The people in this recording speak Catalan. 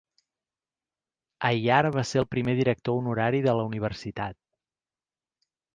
Aiyar va ser el primer director honorari de la universitat.